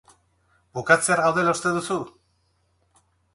Bukatzear gaudela uste duzu?